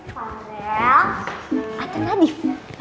farel atau nadif